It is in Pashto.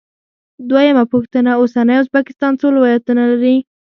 دویمه پوښتنه: اوسنی ازبکستان څو ولایتونه لري؟